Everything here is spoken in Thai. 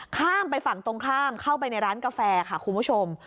ข้ามไปฝั่งตรงข้ามเข้าไปในร้านกาแฟค่ะคุณผู้ชม